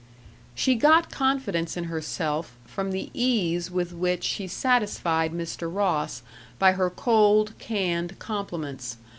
She got confidence in herself from the ease with which she satisfied Mr. Ross by her cold, canned compliments.